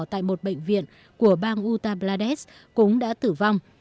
tại một bệnh viện của bang uttar pradesh cũng đã tử vong